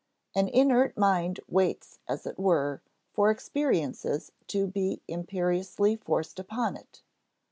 An inert mind waits, as it were, for experiences to be imperiously forced upon it.